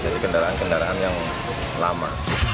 jadi kendaraan kendaraan yang lama